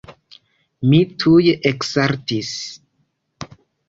Mi tuj eksaltis.